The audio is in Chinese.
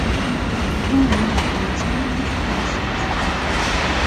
中文版由尖端出版社出版。